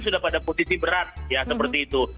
sudah pada posisi berat ya seperti itu